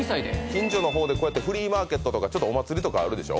近所のほうでこうやってフリーマーケットとかちょっとお祭りとかあるでしょ？